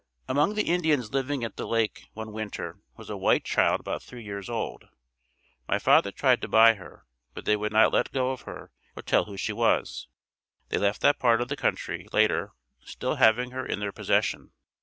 Among the Indians living at the lake one winter was a white child about three years old. My father tried to buy her, but they would not let her go or tell who she was. They left that part of the country later, still having her in their possession.